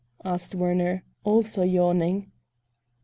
asked Werner, also yawning.